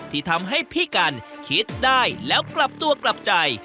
ที่ทำให้พี่กันคิดได้แล้วกลับตัวกลับใจ